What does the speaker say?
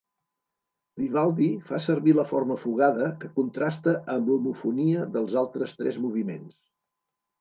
Vivaldi fa servir la forma fugada que contrasta amb l'homofonia dels altres tres moviments.